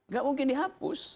gak mungkin dihapus